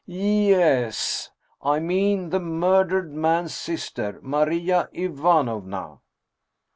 Yes s ! I mean the murdered man's sister, Maria Ivanovna